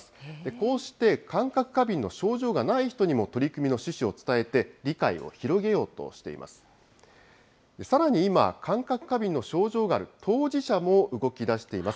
こうして感覚過敏の症状がない人にも取り組みの趣旨を伝えて、理解を広げようとしています。